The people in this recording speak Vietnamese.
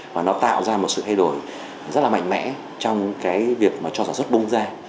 và nó tạo ra một sự thay đổi rất là mạnh mẽ trong cái việc mà cho sản xuất bung ra